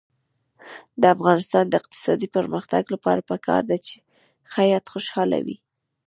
د افغانستان د اقتصادي پرمختګ لپاره پکار ده چې خیاط خوشحاله وي.